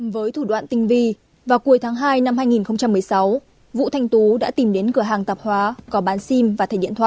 với thủ đoạn tinh vi vào cuối tháng hai năm hai nghìn một mươi sáu vũ thanh tú đã tìm đến cửa hàng tạp hóa có bán sim và thẻ điện thoại